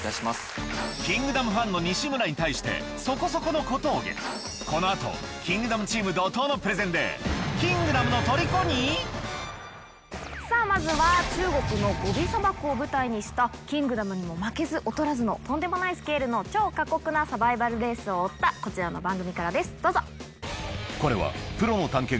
キングダムファンの西村に対してそこそこの小峠この後キングダムチーム怒濤のプレゼンでさぁまずは中国のゴビ砂漠を舞台にした『キングダム』にも負けず劣らずのとんでもないスケールの超過酷なサバイバルレースを追ったこちらの番組からですどうぞ。